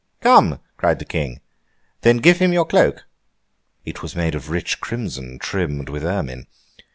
'Come!' cried the King, 'then give him your cloak!' It was made of rich crimson trimmed with ermine.